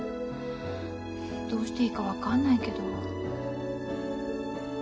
どうしていいか分かんないけど。